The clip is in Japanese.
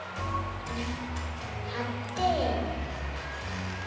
はって。